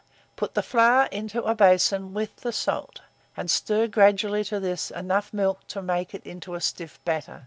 Put the flour into a basin with the salt, and stir gradually to this enough milk to make it into a stiff batter.